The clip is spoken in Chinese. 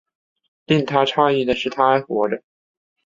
令他讶异的是她还活着